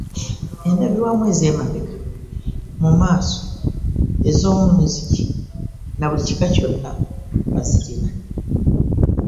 Endabirwamu ez'emabega, mu maaso, ez'omunzigi na buli kika zonna bazirina.